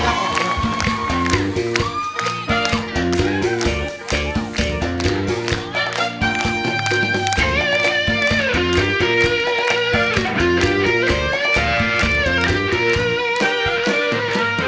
แต่ว่าคุณพ่อบอกแล้วว่าเผงนี้มั่นใจร้อยเปอร์เซ็นต์